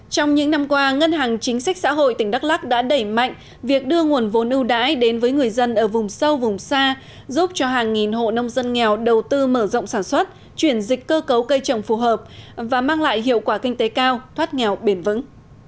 trong những năm qua ngân hàng chính sách xã hội tỉnh đắk lắc đã đẩy mạnh việc đưa nguồn vốn ưu đãi đến với người dân ở vùng sâu vùng xa giúp cho hàng nghìn hộ nông dân nghèo đầu tư mở rộng sản xuất chuyển dịch cơ cấu cây trồng phù hợp và mang lại hiệu quả kinh tế cao thoát nghèo bền vững